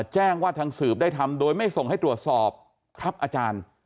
แจ้งว่าทางสืบได้ทำโดยไม่ส่งให้ตรวจสอบครับอาจารย์